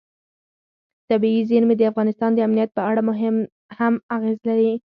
طبیعي زیرمې د افغانستان د امنیت په اړه هم اغېز لري.